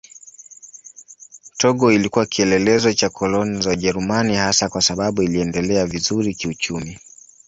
Togo ilikuwa kielelezo cha koloni za Ujerumani hasa kwa sababu iliendelea vizuri kiuchumi.